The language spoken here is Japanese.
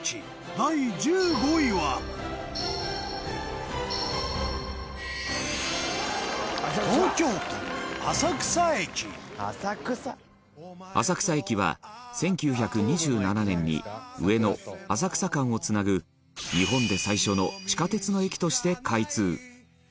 第１５位は浅草駅は、１９２７年に上野浅草間をつなぐ日本で最初の地下鉄の駅として開通